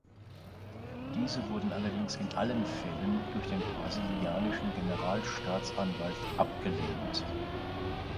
Diese wurden allerdings in allen Fällen durch den brasilianischen Generalstaatsanwalt abgelehnt.